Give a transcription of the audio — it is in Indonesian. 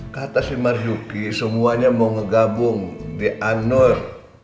kata si marzuki semuanya mau ngegabung di an nur